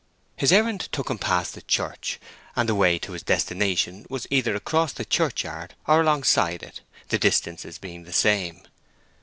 His errand took him past the church, and the way to his destination was either across the church yard or along side it, the distances being the same.